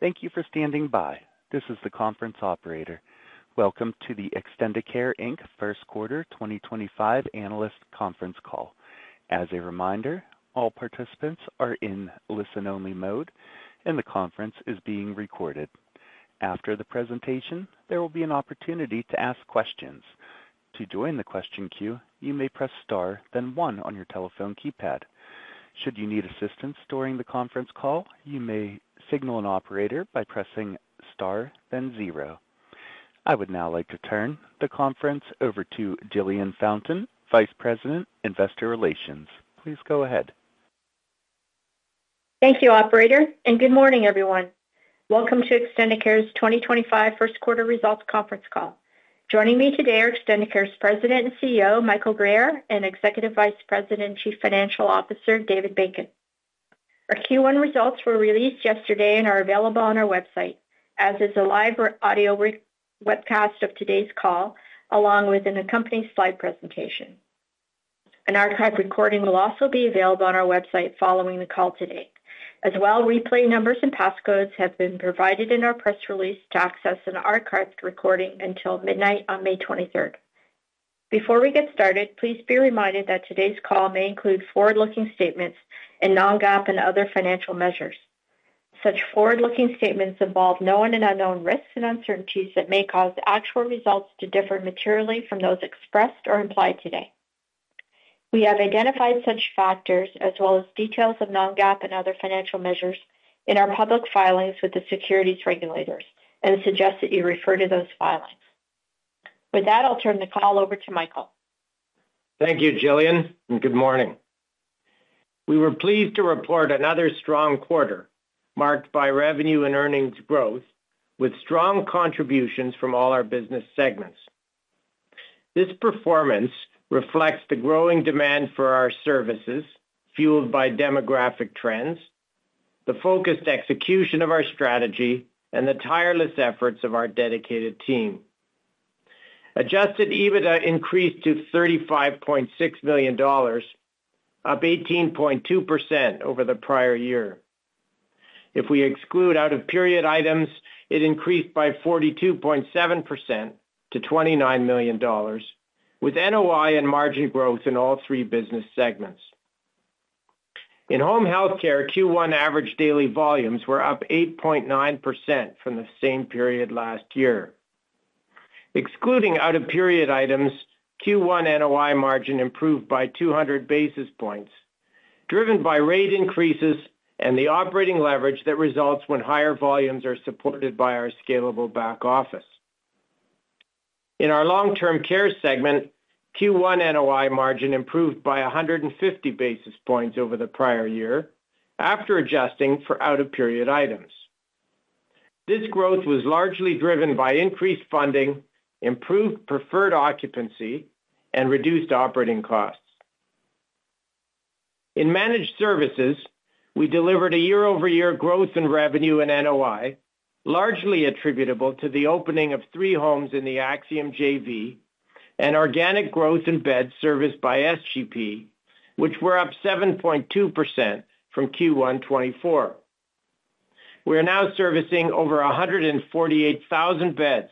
Thank you for standing by. This is the Conference Operator. Welcome to the Extendicare Inc. First Quarter 2025 Analyst Conference Call. As a reminder, all participants are in listen-only mode, and the conference is being recorded. After the presentation, there will be an opportunity to ask questions. To join the question queue, you may press star, then one on your telephone keypad. Should you need assistance during the conference call, you may signal an operator by pressing star, then zero. I would now like to turn the conference over to Jillian Fountain, Vice President, Investor Relations. Please go ahead. Thank you, Operator, and good morning, everyone. Welcome to Extendicare's 2025 First Quarter Results Conference Call. Joining me today are Extendicare's President and CEO, Michael Guerriere, and Executive Vice President and Chief Financial Officer, David Bacon. Our Q1 results were released yesterday and are available on our website, as is a live audio webcast of today's call, along with an accompanying slide presentation. An archived recording will also be available on our website following the call today. As well, replay numbers and passcodes have been provided in our press release to access an archived recording until midnight on May 23rd. Before we get started, please be reminded that today's call may include forward-looking statements and non-GAAP and other financial measures. Such forward-looking statements involve known and unknown risks and uncertainties that may cause actual results to differ materially from those expressed or implied today. We have identified such factors, as well as details of non-GAAP and other financial measures, in our public filings with the securities regulators and suggest that you refer to those filings. With that, I'll turn the call over to Michael. Thank you, Jillian, and good morning. We were pleased to report another strong quarter marked by revenue and earnings growth, with strong contributions from all our business segments. This performance reflects the growing demand for our services, fueled by demographic trends, the focused execution of our strategy, and the tireless efforts of our dedicated team. Adjusted EBITDA increased to 35.6 million dollars, up 18.2% over the prior year. If we exclude out-of-period items, it increased by 42.7% to 29 million dollars, with NOI and margin growth in all three business segments. In home health care, Q1 average daily volumes were up 8.9% from the same period last year. Excluding out-of-period items, Q1 NOI margin improved by 200 basis points, driven by rate increases and the operating leverage that results when higher volumes are supported by our scalable back office. In our long-term care segment, Q1 NOI margin improved by 150 basis points over the prior year after adjusting for out-of-period items. This growth was largely driven by increased funding, improved preferred occupancy, and reduced operating costs. In managed services, we delivered a year-over-year growth in revenue and NOI, largely attributable to the opening of three homes in the AXIOM Joint Venture and organic growth in beds serviced by SGP, which were up 7.2% from Q1 2024. We are now servicing over 148,000 beds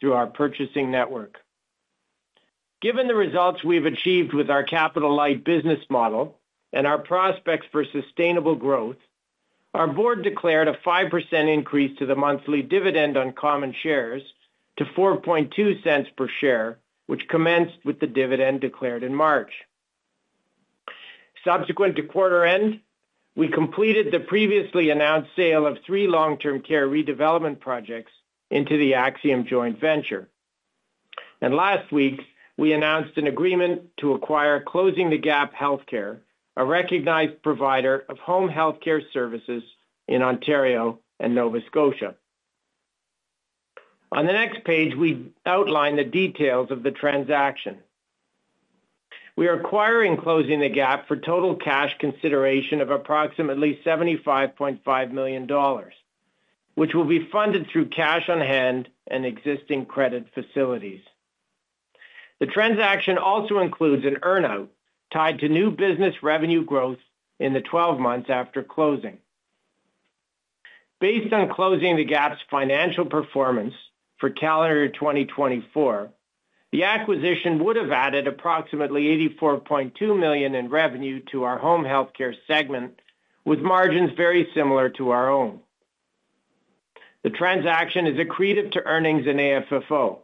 through our purchasing network. Given the results we've achieved with our capital-light business model and our prospects for sustainable growth, our board declared a 5% increase to the monthly dividend on common shares to 0.042 per share, which commenced with the dividend declared in March. Subsequent to quarter end, we completed the previously announced sale of three long-term care redevelopment projects into the AXIOM Joint Venture. Last week, we announced an agreement to acquire Closing the Gap Healthcare, a recognized provider of home healthcare services in Ontario and Nova Scotia. On the next page, we outline the details of the transaction. We are acquiring Closing the Gap for total cash consideration of approximately 75.5 million dollars, which will be funded through cash on hand and existing credit facilities. The transaction also includes an earnout tied to new business revenue growth in the 12 months after closing. Based on Closing the Gap's financial performance for calendar year 2024, the acquisition would have added approximately 84.2 million in revenue to our home healthcare segment, with margins very similar to our own. The transaction is accretive to earnings in AFFO.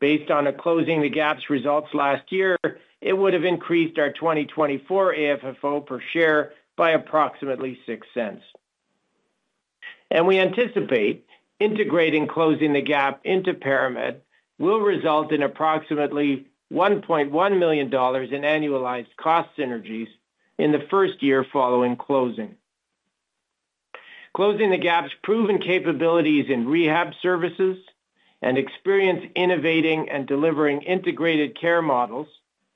Based on Closing the Gap's results last year, it would have increased our 2024 AFFO per share by approximately 0.06. We anticipate integrating Closing the Gap into ParaMed will result in approximately 1.1 million dollars in annualized cost synergies in the first year following closing. Closing the Gap's proven capabilities in rehab services and experience innovating and delivering integrated care models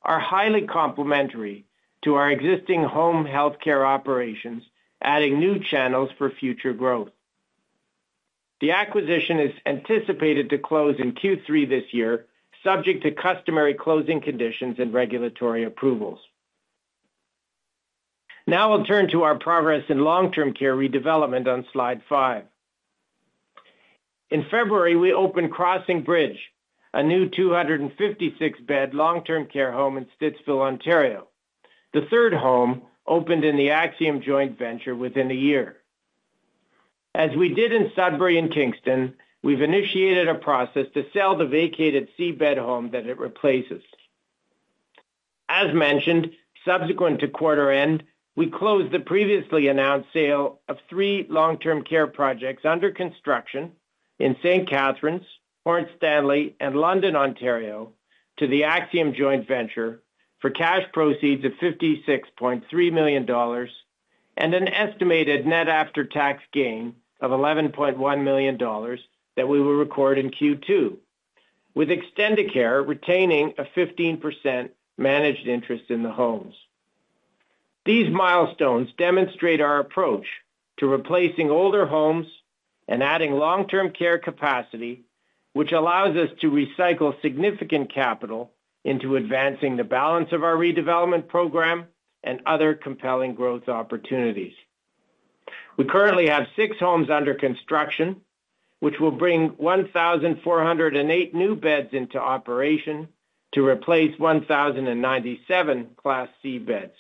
are highly complementary to our existing home health care operations, adding new channels for future growth. The acquisition is anticipated to close in Q3 this year, subject to customary closing conditions and regulatory approvals. Now I will turn to our progress in long-term care redevelopment on slide five. In February, we opened Crossing Bridge, a new 256-bed long-term care home in Stittsville, Ontario. This is the third home opened in the AXIOM Joint Venture within a year. As we did in Sudbury and Kingston, we have initiated a process to sell the vacated Class C bed home that it replaces. As mentioned, subsequent to quarter end, we closed the previously announced sale of three long-term care projects under construction in St. Catharines, Port Stanley, and London, Ontario, to the AXIOM Joint Venture for 56.3 million dollars cash proceeds and an estimated net after-tax gain of 11.1 million dollars that we will record in Q2, with Extendicare retaining a 15% managed interest in the homes. These milestones demonstrate our approach to replacing older homes and adding long-term care capacity, which allows us to recycle significant capital into advancing the balance of our redevelopment program and other compelling growth opportunities. We currently have six homes under construction, which will bring 1,408 new beds into operation to replace 1,097 Class C beds.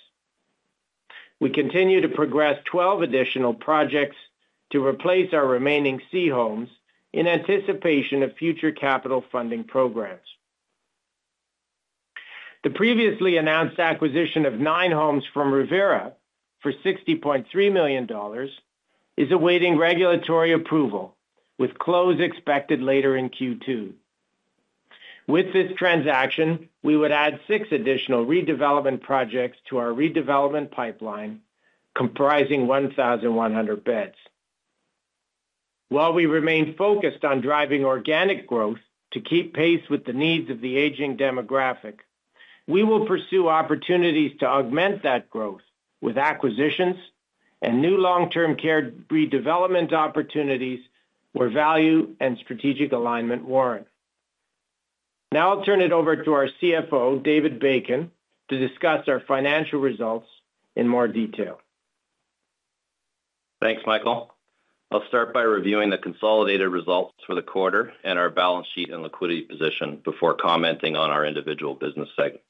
We continue to progress 12 additional projects to replace our remaining C homes in anticipation of future capital funding programs. The previously announced acquisition of nine homes from Revera Inc. for 60.3 million dollars is awaiting regulatory approval, with close expected later in Q2. With this transaction, we would add six additional redevelopment projects to our redevelopment pipeline comprising 1,100 beds. While we remain focused on driving organic growth to keep pace with the needs of the aging demographic, we will pursue opportunities to augment that growth with acquisitions and new long-term care redevelopment opportunities where value and strategic alignment warrant. Now I'll turn it over to our CFO, David Bacon, to discuss our financial results in more detail. Thanks, Michael. I'll start by reviewing the consolidated results for the quarter and our balance sheet and liquidity position before commenting on our individual business segments.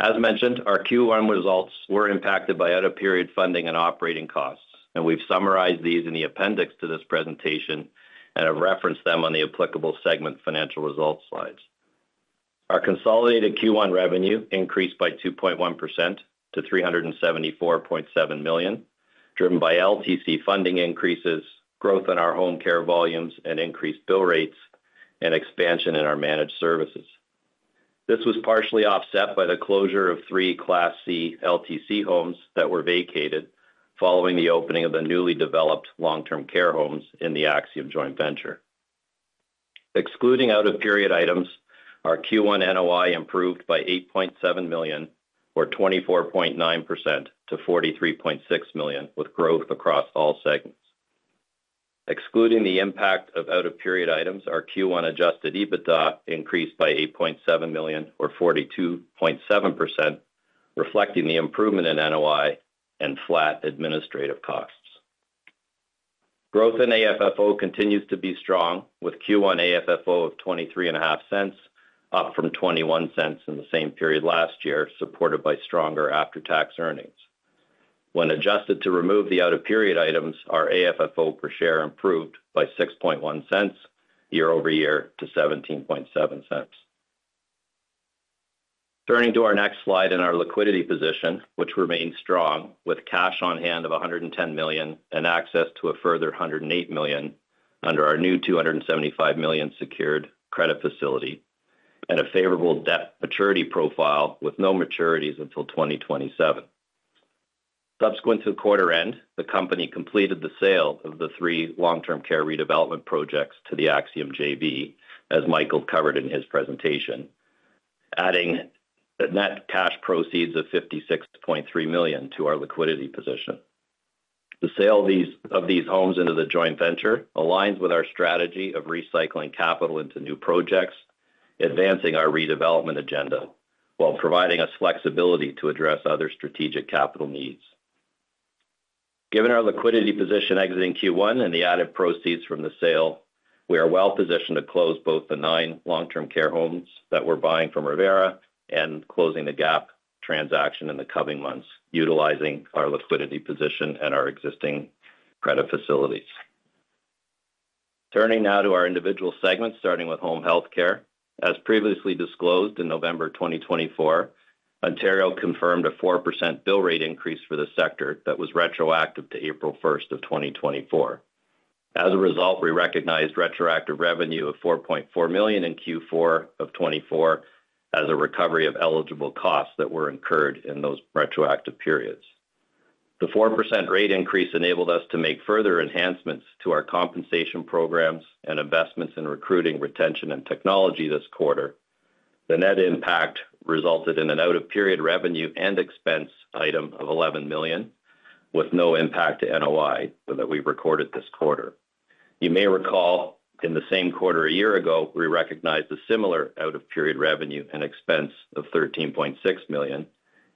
As mentioned, our Q1 results were impacted by out-of-period funding and operating costs, and we've summarized these in the appendix to this presentation and have referenced them on the applicable segment financial results slides. Our consolidated Q1 revenue increased by 2.1% to 374.7 million, driven by LTC funding increases, growth in our home care volumes, and increased bill rates, and expansion in our managed services. This was partially offset by the closure of three Class C LTC homes that were vacated following the opening of the newly developed long-term care homes in the AXIOM Joint Venture. Excluding out-of-period items, our Q1 NOI improved by 8.7 million, or 24.9% to 43.6 million, with growth across all segments. Excluding the impact of out-of-period items, our Q1 adjusted EBITDA increased by 8.7 million, or 42.7%, reflecting the improvement in NOI and flat administrative costs. Growth in AFFO continues to be strong, with Q1 AFFO of 0.23, up from 0.21 in the same period last year, supported by stronger after-tax earnings. When adjusted to remove the out-of-period items, our AFFO per share improved by 0.061 year-over-year to 0.017. Turning to our next slide in our liquidity position, which remains strong with cash on hand of 110 million and access to a further 108 million under our new 275 million secured credit facility and a favorable debt maturity profile with no maturities until 2027. Subsequent to quarter end, the company completed the sale of the three long-term care redevelopment projects to the AXIOM Joint Venture as Michael covered in his presentation, adding the net cash proceeds of 56.3 million to our liquidity position. The sale of these homes into the joint venture aligns with our strategy of recycling capital into new projects, advancing our redevelopment agenda while providing us flexibility to address other strategic capital needs. Given our liquidity position exiting Q1 and the added proceeds from the sale, we are well positioned to close both the nine long-term care homes that we're buying from Revera Inc. and closing the Closing the Gap transaction in the coming months, utilizing our liquidity position and our existing credit facilities. Turning now to our individual segments, starting with home health care. As previously disclosed in November 2024, Ontario confirmed a 4% bill rate increase for the sector that was retroactive to April 1 of 2024. As a result, we recognized retroactive revenue of 4.4 million in Q4 of 2024 as a recovery of eligible costs that were incurred in those retroactive periods. The 4% rate increase enabled us to make further enhancements to our compensation programs and investments in recruiting, retention, and technology this quarter. The net impact resulted in an out-of-period revenue and expense item of 11 million, with no impact to NOI that we recorded this quarter. You may recall, in the same quarter a year ago, we recognized a similar out-of-period revenue and expense of 13.6 million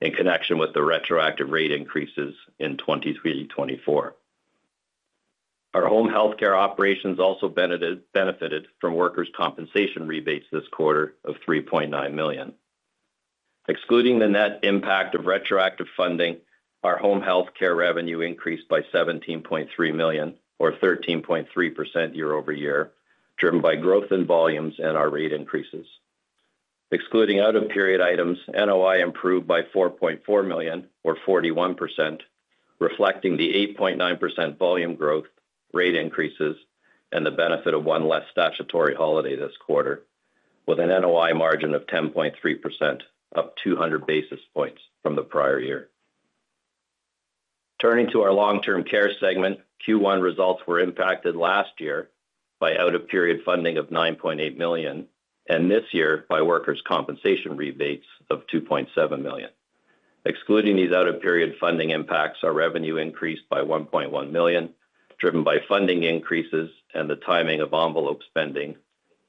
in connection with the retroactive rate increases in 2023-2024. Our home healthcare operations also benefited from workers' compensation rebates this quarter of 3.9 million. Excluding the net impact of retroactive funding, our home healthcare revenue increased by 17.3 million, or 13.3% year-over-year, driven by growth in volumes and our rate increases. Excluding out-of-period items, NOI improved by 4.4 million, or 41%, reflecting the 8.9% volume growth, rate increases, and the benefit of one less statutory holiday this quarter, with an NOI margin of 10.3%, up 200 basis points from the prior year. Turning to our long-term care segment, Q1 results were impacted last year by out-of-period funding of 9.8 million and this year by workers' compensation rebates of 2.7 million. Excluding these out-of-period funding impacts, our revenue increased by 1.1 million, driven by funding increases and the timing of envelope spending,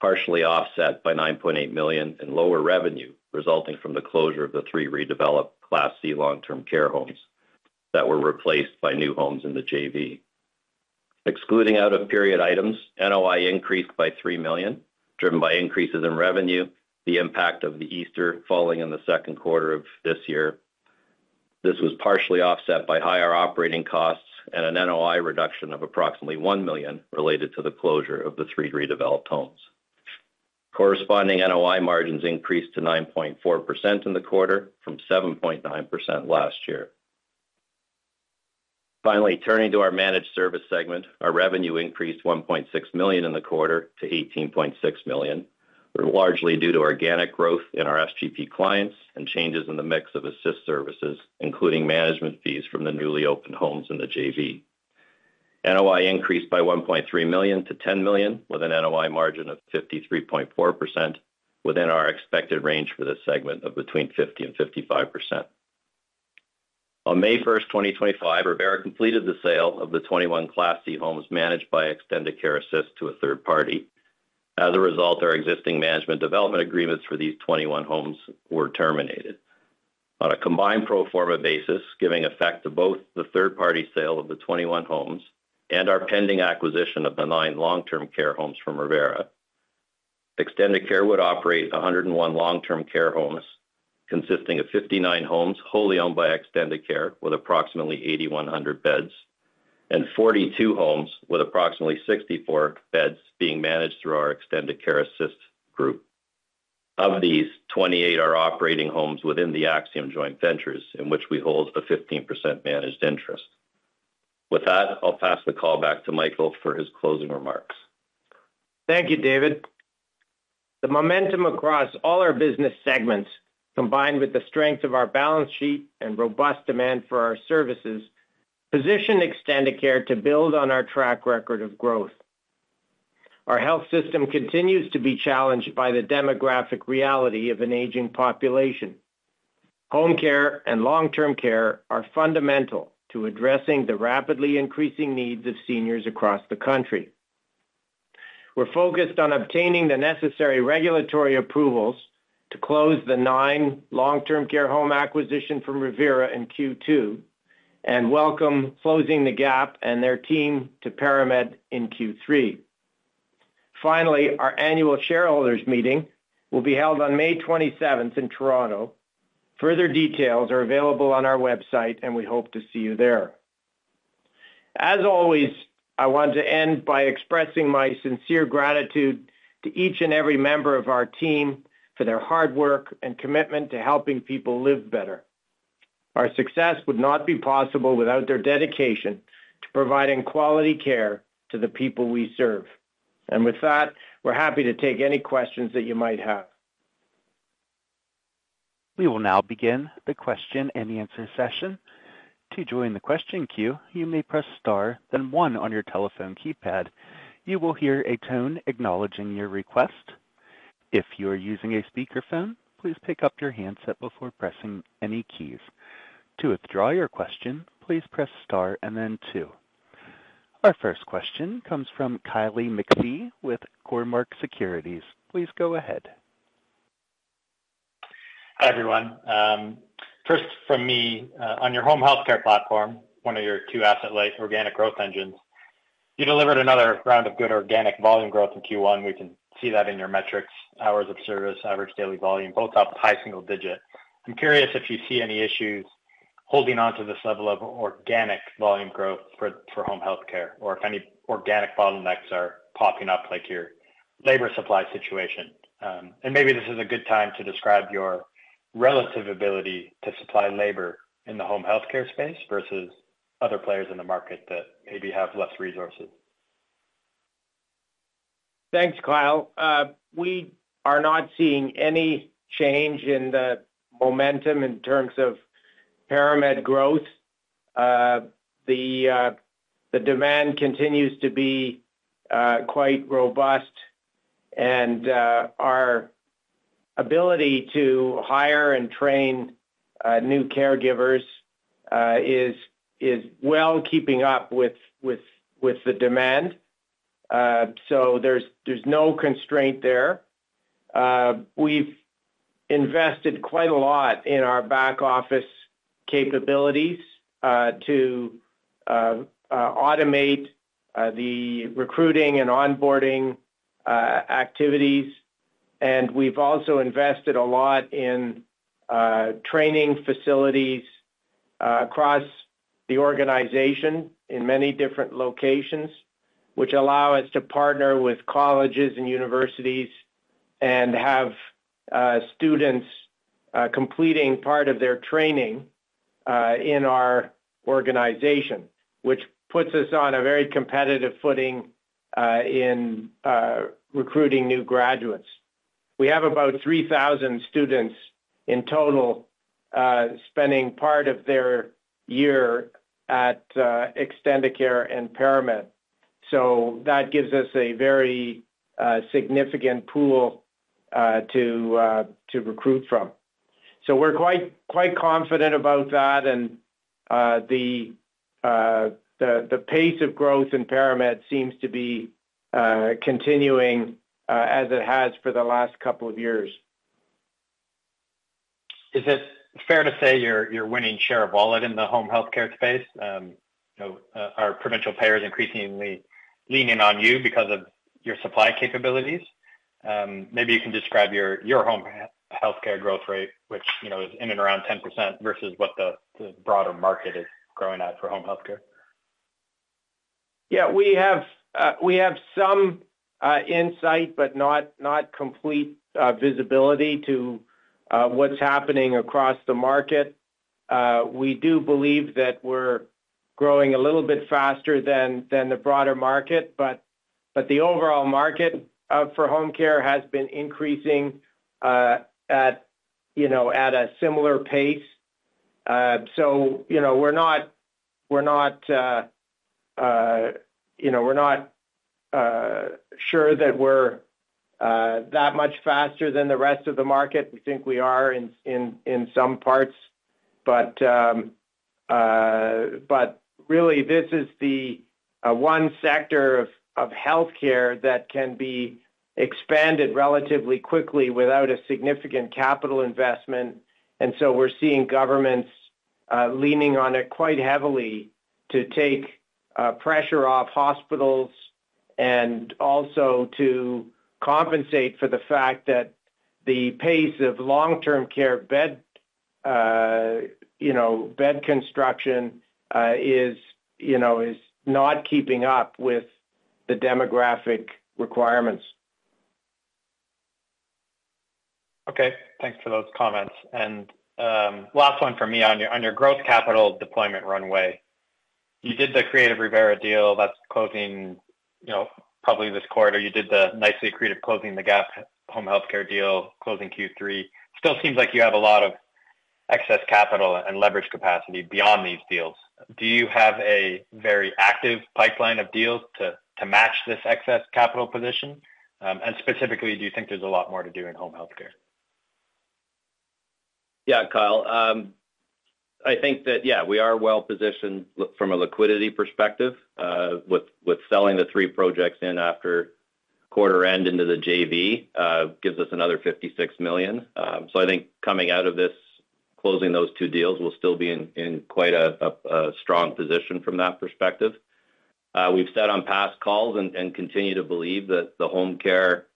partially offset by 9.8 million in lower revenue resulting from the closure of the three redeveloped Class C long-term care homes that were replaced by new homes in the AXIOM Joint Ventures. Excluding out-of-period items, NOI increased by 3 million, driven by increases in revenue, the impact of the Easter falling in the second quarter of this year. This was partially offset by higher operating costs and an NOI reduction of approximately 1 million related to the closure of the three redeveloped homes. Corresponding NOI margins increased to 9.4% in the quarter from 7.9% last year. Finally, turning to our managed service segment, our revenue increased 1.6 million in the quarter to 18.6 million, largely due to organic growth in our SGP clients and changes in the mix of assist services, including management fees from the newly opened homes in the JV. NOI increased by 1.3 million to 10 million, with an NOI margin of 53.4%, within our expected range for this segment of between 50% and 55%. On May 1, 2025, Revera completed the sale of the 21 Class C homes managed by Extendicare Assist to a third party. As a result, our existing management development agreements for these 21 homes were terminated. On a combined pro forma basis, giving effect to both the third-party sale of the 21 homes and our pending acquisition of the nine long-term care homes from Revera Inc., Extendicare would operate 101 long-term care homes consisting of 59 homes wholly owned by Extendicare with approximately 8,100 beds and 42 homes with approximately 64 beds being managed through our Extendicare Assist group. Of these, 28 are operating homes within the AXIOM Joint Ventures, in which we hold a 15% managed interest. With that, I'll pass the call back to Michael for his closing remarks. Thank you, David. The momentum across all our business segments, combined with the strength of our balance sheet and robust demand for our services, position Extendicare to build on our track record of growth. Our health system continues to be challenged by the demographic reality of an aging population. Home care and long-term care are fundamental to addressing the rapidly increasing needs of seniors across the country. We're focused on obtaining the necessary regulatory approvals to close the nine long-term care home acquisition from Revera Inc. in Q2 and welcome Closing the Gap and their team to ParaMed in Q3. Finally, our annual shareholders meeting will be held on May 27th in Toronto. Further details are available on our website, and we hope to see you there. As always, I want to end by expressing my sincere gratitude to each and every member of our team for their hard work and commitment to helping people live better. Our success would not be possible without their dedication to providing quality care to the people we serve. With that, we're happy to take any questions that you might have. We will now begin the question and answer session. To join the question queue, you may press star then one on your telephone keypad. You will hear a tone acknowledging your request. If you are using a speakerphone, please pick up your handset before pressing any keys. To withdraw your question, please press star and then two. Our first question comes from Kyle McPhee with Cormark Securities. Please go ahead. Hi, everyone. First, from me, on your home healthcare platform, one of your two asset-light organic growth engines, you delivered another round of good organic volume growth in Q1. We can see that in your metrics: hours of service, average daily volume, both up high single digit. I'm curious if you see any issues holding on to this level of organic volume growth for home healthcare or if any organic bottlenecks are popping up, like your labor supply situation. Maybe this is a good time to describe your relative ability to supply labor in the home healthcare space versus other players in the market that maybe have less resources. Thanks, Kyle. We are not seeing any change in the momentum in terms of ParaMed growth. The demand continues to be quite robust, and our ability to hire and train new caregivers is well keeping up with the demand. There is no constraint there. We have invested quite a lot in our back office capabilities to automate the recruiting and onboarding activities. We have also invested a lot in training facilities across the organization in many different locations, which allow us to partner with colleges and universities and have students completing part of their training in our organization, which puts us on a very competitive footing in recruiting new graduates. We have about 3,000 students in total spending part of their year at Extendicare and ParaMed. That gives us a very significant pool to recruit from. We are quite confident about that. The pace of growth in ParaMed seems to be continuing as it has for the last couple of years. Is it fair to say you're winning share overall in the home healthcare space? Are provincial payers increasingly leaning on you because of your supply capabilities? Maybe you can describe your home healthcare growth rate, which is in and around 10% versus what the broader market is growing at for home healthcare. Yeah, we have some insight, but not complete visibility to what's happening across the market. We do believe that we're growing a little bit faster than the broader market, but the overall market for home care has been increasing at a similar pace. We're not sure that we're that much faster than the rest of the market. We think we are in some parts. Really, this is the one sector of healthcare that can be expanded relatively quickly without a significant capital investment. We're seeing governments leaning on it quite heavily to take pressure off hospitals and also to compensate for the fact that the pace of long-term care bed construction is not keeping up with the demographic requirements. Okay. Thanks for those comments. Last one from me on your growth capital deployment runway. You did the creative Revera Inc. deal that's closing probably this quarter. You did the nicely creative Closing the Gap Healthcare deal closing Q3. Still seems like you have a lot of excess capital and leverage capacity beyond these deals. Do you have a very active pipeline of deals to match this excess capital position? Specifically, do you think there's a lot more to do in home health care? Yeah, Kyle. I think that, yeah, we are well positioned from a liquidity perspective with selling the three projects in after quarter end into the AXIOM Joint Venture gives us another 56 million. I think coming out of this, closing those two deals will still be in quite a strong position from that perspective. We've sat on past calls and continue to believe that the home care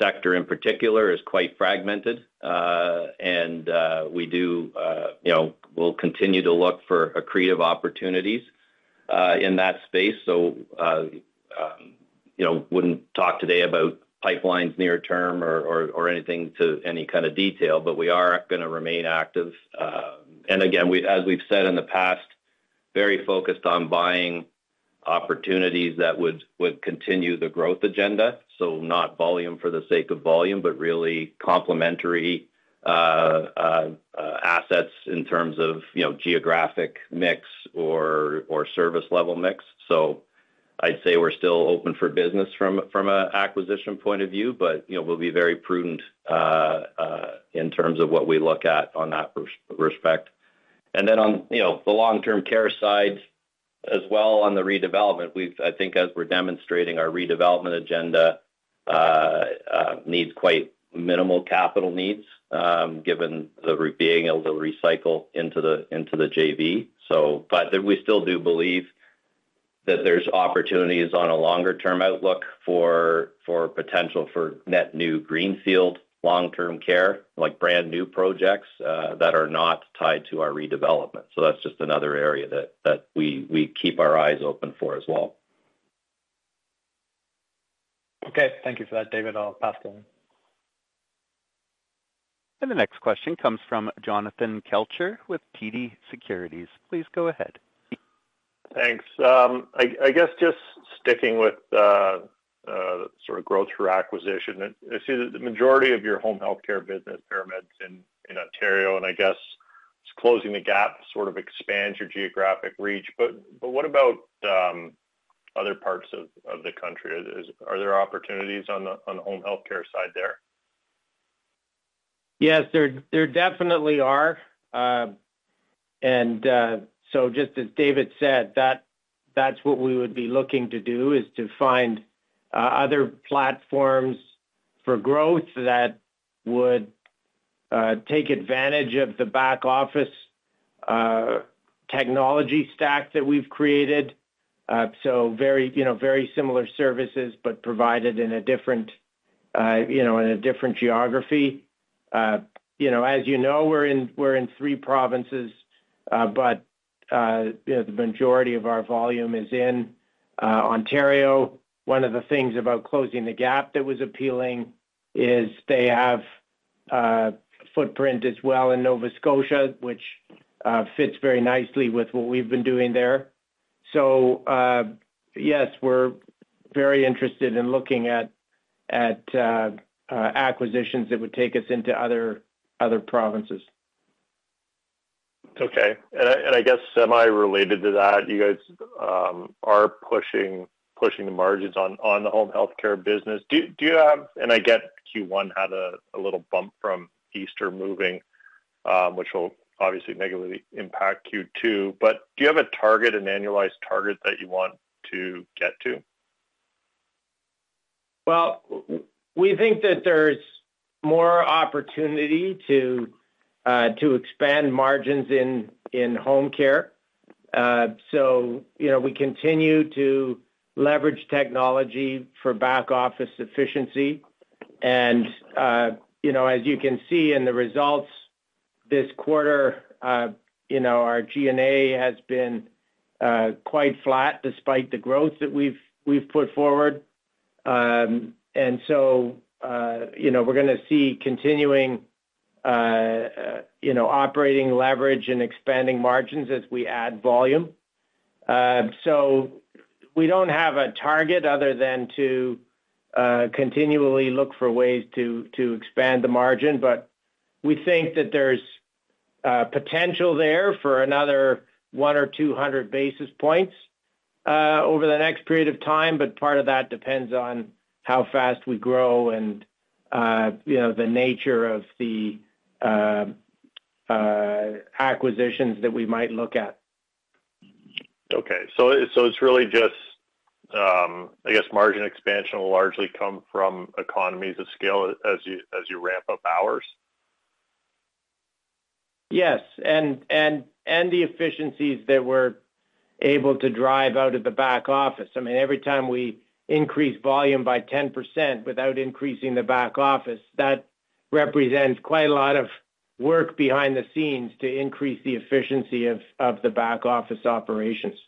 sector in particular is quite fragmented. We will continue to look for creative opportunities in that space. I wouldn't talk today about pipelines near term or anything to any kind of detail, but we are going to remain active. Again, as we've said in the past, very focused on buying opportunities that would continue the growth agenda. Not volume for the sake of volume, but really complementary assets in terms of geographic mix or service level mix. I'd say we're still open for business from an acquisition point of view, but we'll be very prudent in terms of what we look at on that respect. On the long-term care side as well on the redevelopment, I think as we're demonstrating our redevelopment agenda needs quite minimal capital needs given the being able to recycle into the JV. We still do believe that there's opportunities on a longer-term outlook for potential for net new greenfield long-term care, like brand new projects that are not tied to our redevelopment. That's just another area that we keep our eyes open for as well. Okay. Thank you for that, David. I'll pass it on. The next question comes from Jonathan Kelcher with TD Securities. Please go ahead. Thanks. I guess just sticking with sort of growth for acquisition, I see that the majority of your home healthcare business, ParaMed, in Ontario. I guess Closing the Gap sort of expands your geographic reach. What about other parts of the country? Are there opportunities on the home healthcare side there? Yes, there definitely are. Just as David said, that is what we would be looking to do, to find other platforms for growth that would take advantage of the back office technology stack that we have created. Very similar services, but provided in a different geography. As you know, we are in three provinces, but the majority of our volume is in Ontario. One of the things about Closing the Gap Healthcare that was appealing is they have a footprint as well in Nova Scotia, which fits very nicely with what we have been doing there. Yes, we are very interested in looking at acquisitions that would take us into other provinces. Okay. I guess semi-related to that, you guys are pushing the margins on the home health care business. I get Q1 had a little bump from Easter moving, which will obviously negatively impact Q2. Do you have a target, an annualized target that you want to get to? We think that there's more opportunity to expand margins in home care. We continue to leverage technology for back office efficiency. As you can see in the results this quarter, our G&A has been quite flat despite the growth that we've put forward. We are going to see continuing operating leverage and expanding margins as we add volume. We do not have a target other than to continually look for ways to expand the margin. We think that there's potential there for another 100-200 basis points over the next period of time. Part of that depends on how fast we grow and the nature of the acquisitions that we might look at. Okay. So it's really just, I guess, margin expansion will largely come from economies of scale as you ramp up hours? Yes. The efficiencies that we're able to drive out of the back office. I mean, every time we increase volume by 10% without increasing the back office, that represents quite a lot of work behind the scenes to increase the efficiency of the back office operations.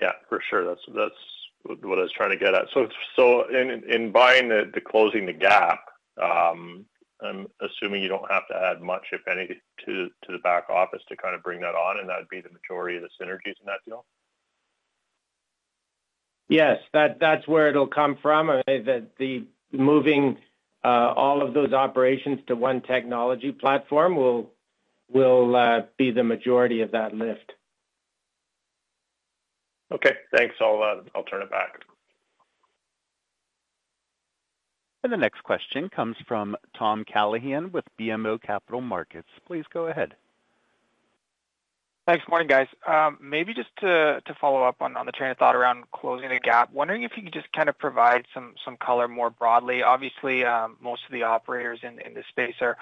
Yeah, for sure. That's what I was trying to get at. In buying the Closing the Gap, I'm assuming you don't have to add much, if any, to the back office to kind of bring that on. That'd be the majority of the synergies in that deal? Yes, that's where it'll come from. Moving all of those operations to one technology platform will be the majority of that lift. Okay. Thanks, all of that. I'll turn it back. The next question comes from Tom Callaghan with BMO Capital Markets. Please go ahead. Thanks. Morning, guys. Maybe just to follow up on the train of thought around Closing the Gap, wondering if you could just kind of provide some color more broadly. Obviously, most of the operators in this space are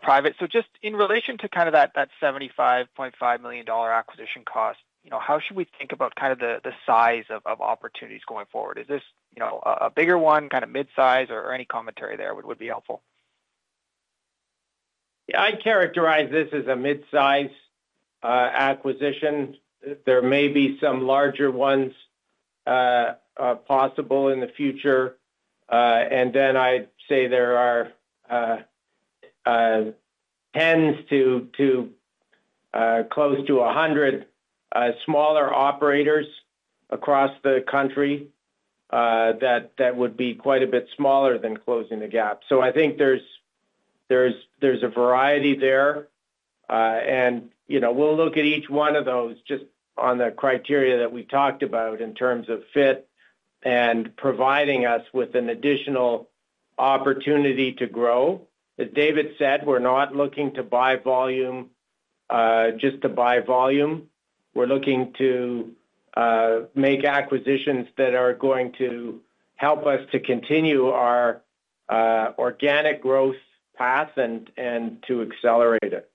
private. So just in relation to kind of that 75.5 million dollar acquisition cost, how should we think about kind of the size of opportunities going forward? Is this a bigger one, kind of mid-size, or any commentary there would be helpful? Yeah, I'd characterize this as a mid-size acquisition. There may be some larger ones possible in the future. There are tens to close to a hundred smaller operators across the country that would be quite a bit smaller than Closing the Gap. I think there's a variety there. We'll look at each one of those just on the criteria that we talked about in terms of fit and providing us with an additional opportunity to grow. As David said, we're not looking to buy volume just to buy volume. We're looking to make acquisitions that are going to help us to continue our organic growth path and to accelerate it.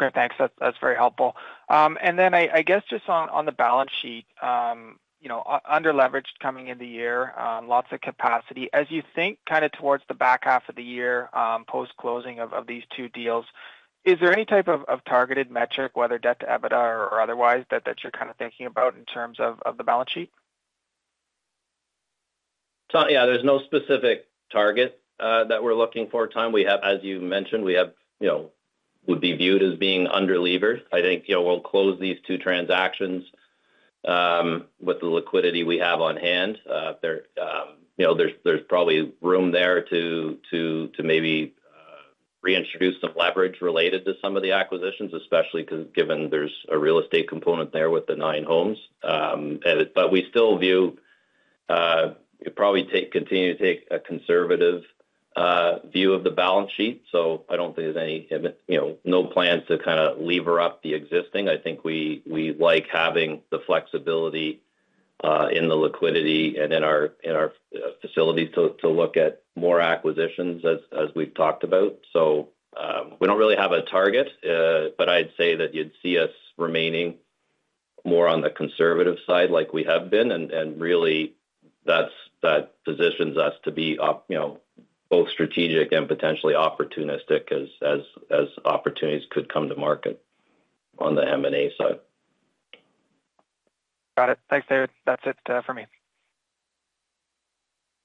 Okay. Thanks. That's very helpful. I guess just on the balance sheet, under-leveraged coming in the year, lots of capacity. As you think kind of towards the back half of the year post-closing of these two deals, is there any type of targeted metric, whether debt to EBITDA or otherwise, that you're kind of thinking about in terms of the balance sheet? Yeah, there's no specific target that we're looking for. As you mentioned, we would be viewed as being under-levered. I think we'll close these two transactions with the liquidity we have on hand. There's probably room there to maybe reintroduce some leverage related to some of the acquisitions, especially given there's a real estate component there with the nine homes. We still view it as probably continuing to take a conservative view of the balance sheet. I don't think there's any plans to kind of lever up the existing. I think we like having the flexibility in the liquidity and in our facilities to look at more acquisitions as we've talked about. We don't really have a target, but I'd say that you'd see us remaining more on the conservative side like we have been. That positions us to be both strategic and potentially opportunistic as opportunities could come to market on the M&A side. Got it. Thanks, David. That's it for me.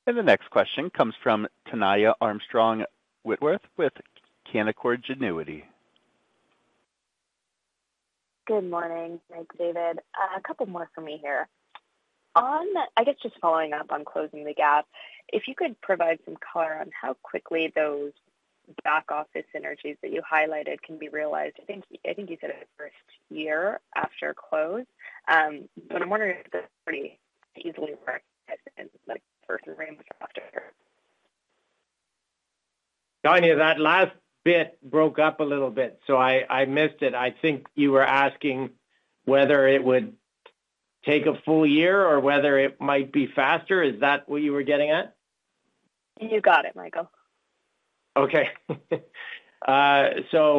The next question comes from Tania Armstrong-Whitworth with Canaccord Genuity. Good morning, Mike, David. A couple more for me here. I guess just following up on Closing the Gap, if you could provide some color on how quickly those back office synergies that you highlighted can be realized. I think you said it was the first year after close. I am wondering if they're pretty easily realized in the first and range after. Tania, that last bit broke up a little bit, so I missed it. I think you were asking whether it would take a full year or whether it might be faster. Is that what you were getting at? You got it, Michael. Okay. I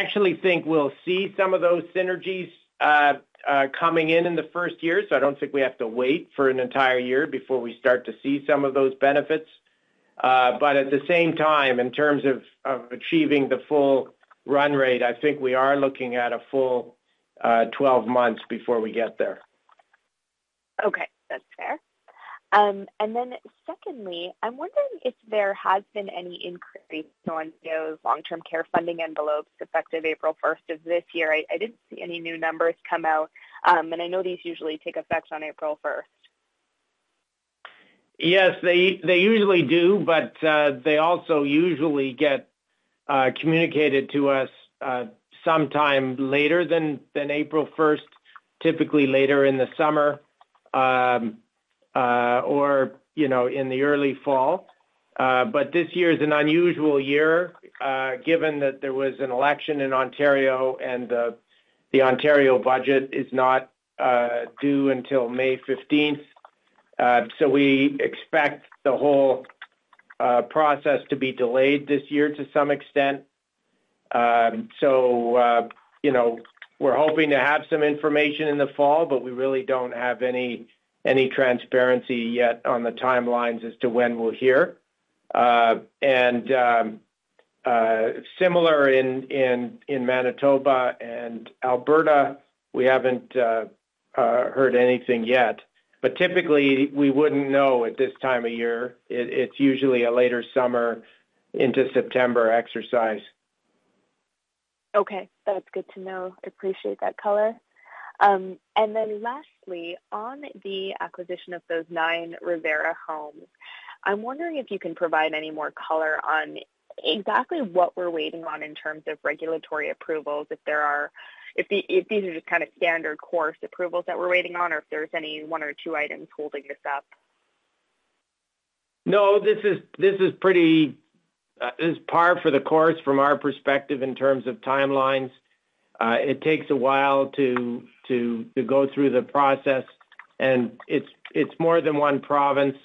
actually think we'll see some of those synergies coming in in the first year. I don't think we have to wait for an entire year before we start to see some of those benefits. At the same time, in terms of achieving the full run rate, I think we are looking at a full 12 months before we get there. Okay. That's fair. Secondly, I'm wondering if there has been any increase on those long-term care funding envelopes effective April 1st of this year. I didn't see any new numbers come out. I know these usually take effect on April 1st. Yes, they usually do, but they also usually get communicated to us sometime later than April 1st, typically later in the summer or in the early fall. This year is an unusual year given that there was an election in Ontario and the Ontario budget is not due until May 15. We expect the whole process to be delayed this year to some extent. We're hoping to have some information in the fall, but we really do not have any transparency yet on the timelines as to when we'll hear. Similar in Manitoba and Alberta, we have not heard anything yet. Typically, we would not know at this time of year. It's usually a later summer into September exercise. Okay. That's good to know. I appreciate that color. Lastly, on the acquisition of those nine Revera Inc. homes, I'm wondering if you can provide any more color on exactly what we're waiting on in terms of regulatory approvals, if these are just kind of standard course approvals that we're waiting on, or if there's any one or two items holding this up. No, this is pretty, this is par for the course from our perspective in terms of timelines. It takes a while to go through the process. It is more than one province.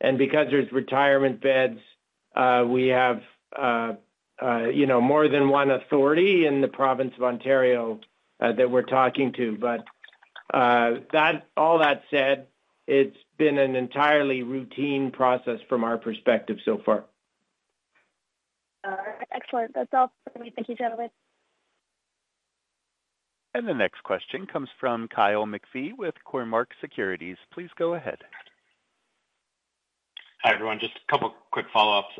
Because there are retirement beds, we have more than one authority in the province of Ontario that we are talking to. All that said, it has been an entirely routine process from our perspective so far. All right. Excellent. That's all for me. Thank you, gentlemen. The next question comes from Kyle McPhee with Cormark Securities. Please go ahead. Hi, everyone. Just a couple of quick follow-ups.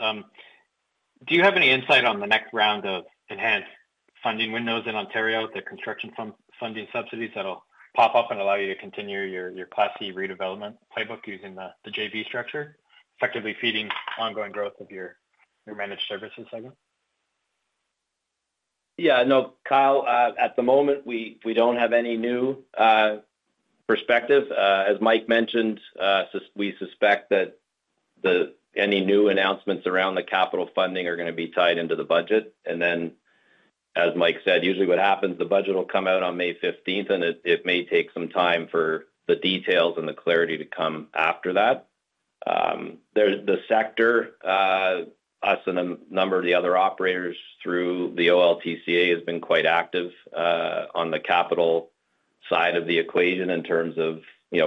Do you have any insight on the next round of enhanced funding windows in Ontario, the construction funding subsidies that'll pop up and allow you to continue your Class C redevelopment playbook using the JV structure, effectively feeding ongoing growth of your managed services segment? Yeah. No, Kyle, at the moment, we do not have any new perspective. As Mike mentioned, we suspect that any new announcements around the capital funding are going to be tied into the budget. As Mike said, usually what happens, the budget will come out on May 15th, and it may take some time for the details and the clarity to come after that. The sector, us and a number of the other operators through the OLTCA, has been quite active on the capital side of the equation in terms of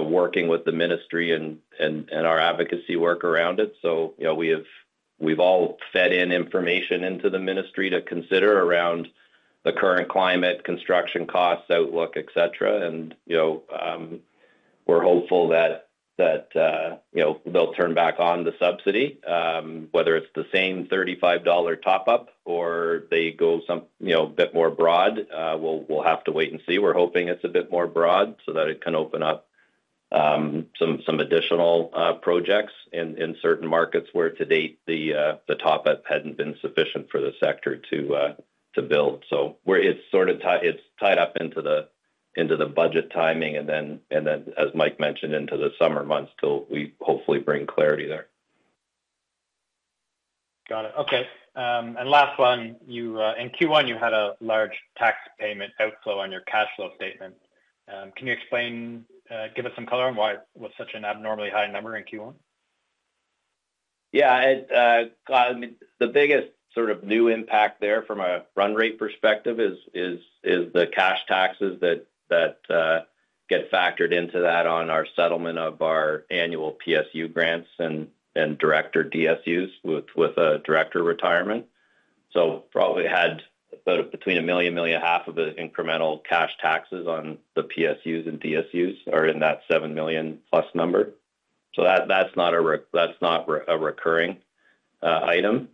working with the ministry and our advocacy work around it. We have all fed in information into the ministry to consider around the current climate, construction costs, outlook, etc. We are hopeful that they will turn back on the subsidy, whether it is the same 35 dollar top-up or they go a bit more broad. We will have to wait and see. We're hoping it's a bit more broad so that it can open up some additional projects in certain markets where to date, the top-up hadn't been sufficient for the sector to build. It is sort of tied up into the budget timing and then, as Mike mentioned, into the summer months till we hopefully bring clarity there. Got it. Okay. Last one, in Q1, you had a large tax payment outflow on your cash flow statement. Can you explain, give us some color on why it was such an abnormally high number in Q1? Yeah. The biggest sort of new impact there from a run rate perspective is the cash taxes that get factored into that on our settlement of our annual PSU grants and director DSUs with a director retirement. Probably had between $1 million-$1.5 million of the incremental cash taxes on the PSUs and DSUs are in that $7 million plus number. That is not a recurring item.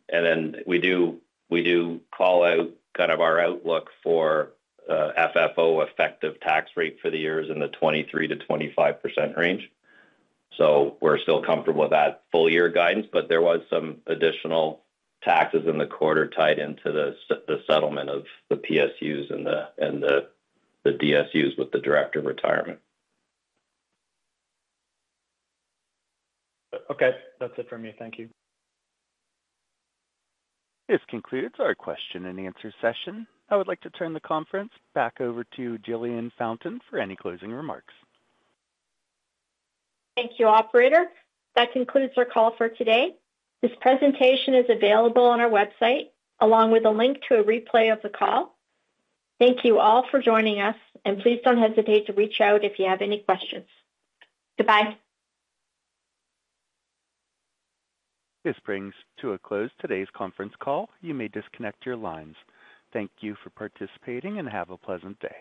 We do call out kind of our outlook for FFO effective tax rate for the years in the 23%-25% range. We are still comfortable with that full-year guidance. There was some additional taxes in the quarter tied into the settlement of the PSUs and the DSUs with the director retirement. Okay. That's it from me. Thank you. This concludes our question and answer session. I would like to turn the conference back over to Jillian Fountain for any closing remarks. Thank you, operator. That concludes our call for today. This presentation is available on our website along with a link to a replay of the call. Thank you all for joining us. Please do not hesitate to reach out if you have any questions. Goodbye. This brings to a close today's conference call. You may disconnect your lines. Thank you for participating and have a pleasant day.